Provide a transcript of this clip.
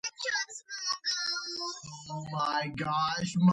ფასადების კედლის სიბრტყე სხვადასხვა ფორმისა და ფერის ქვითაა ნაწყობი.